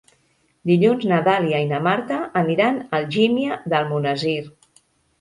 Dilluns na Dàlia i na Marta aniran a Algímia d'Almonesir.